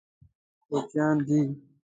کوچیان دي.